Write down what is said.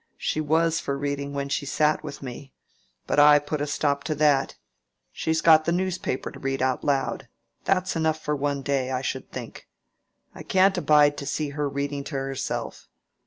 "She was for reading when she sat with me. But I put a stop to that. She's got the newspaper to read out loud. That's enough for one day, I should think. I can't abide to see her reading to herself.